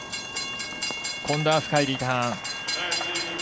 今度は深いリターン。